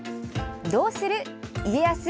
どうする家康？